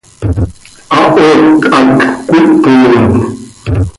¿Hahoot hac cöitpooin?